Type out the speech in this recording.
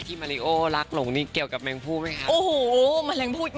มาริโอรักหลงนี่เกี่ยวกับแมงผู้ไหมคะ